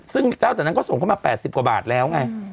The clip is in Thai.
ซึ่งเจ้าแต่นั้นก็ส่งเข้ามา๘๐กว่าบาทแล้วไง